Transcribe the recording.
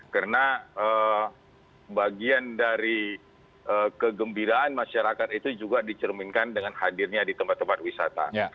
karena bagian dari kegembiraan masyarakat itu juga dicerminkan dengan hadirnya di tempat tempat wisata